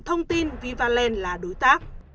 thông tin viva land là đối tác